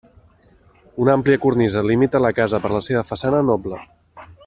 Una àmplia cornisa limita la casa per la seva façana noble.